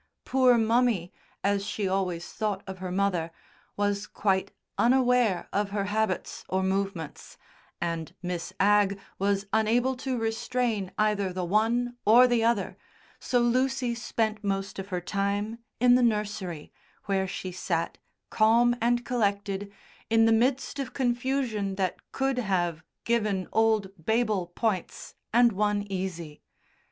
"Poor mummy," as she always thought of her mother, was quite unaware of her habits or movements, and Miss Agg was unable to restrain either the one or the other, so Lucy spent most of her time in the nursery, where she sat, calm and collected, in the midst of confusion that could have "given old Babel points and won easy."